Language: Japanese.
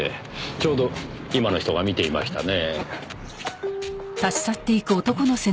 ちょうど今の人が見ていましたねぇ。